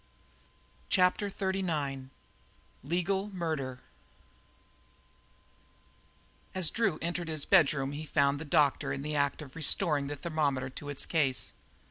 CHAPTER XXXIX LEGAL MURDER As Drew entered his bedroom he found the doctor in the act of restoring the thermometer to its case.